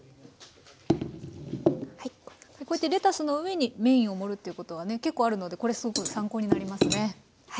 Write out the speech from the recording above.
こうやってレタスの上にメインを盛るっていうことはね結構あるのでこれすごく参考になりますね。